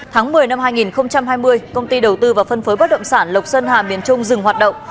tháng một mươi năm hai nghìn hai mươi công ty đầu tư và phân phối bất động sản lộc sơn hà miền trung dừng hoạt động